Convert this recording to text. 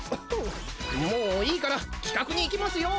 もういいから企画にいきますよ！